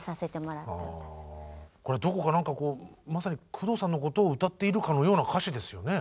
どこか何かこうまさに工藤さんのことを歌っているかのような歌詞ですよね。